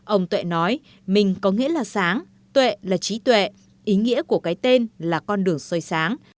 ông tuệ nói mình có nghĩa là sáng tuệ là trí tuệ ý nghĩa của cái tên là con đường xoay sáng